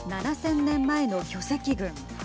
７０００年前の巨石群。